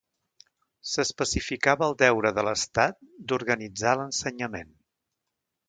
S'especificava el deure de l'Estat d'organitzar l'ensenyament.